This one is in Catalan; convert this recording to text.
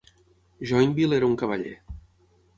Joinville era un cavaller.